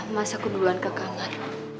mas aku duluan ke kamar